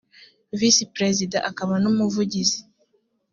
visi perezida akaba n umuvugizi